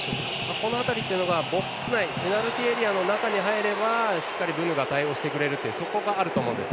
この辺りというのがボックス内ペナルティーエリアの中に入ればしっかり、ブヌが対応してくれるというところがあると思うんです。